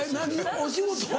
お仕事は。